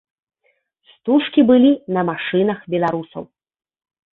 Стужкі былі на машынах беларусаў.